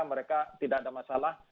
mereka tidak ada masalah